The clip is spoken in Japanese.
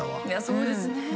そうですね